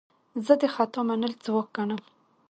زه د خطا منل ځواک ګڼم.